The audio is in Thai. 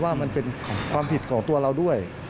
ว่ามันเป็นความผิดของตัวเราด้วย